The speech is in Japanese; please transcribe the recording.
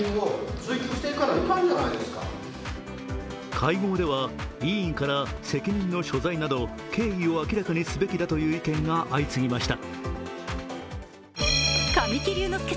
会合では、委員から責任の所在など経緯を明らかにすべきだという意見が相次ぎました。